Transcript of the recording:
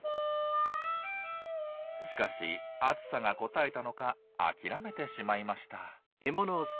しかし暑さがこたえたのか諦めてしまいました。